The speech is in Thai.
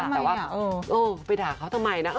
แต่ว่าเออไปด่าเขาทำไมนะ